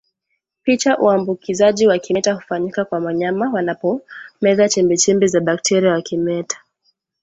Picha Uambukizaji wa kimeta hufanyika kwa wanyama wanapomeza chembechembe za bakteria wa kimeta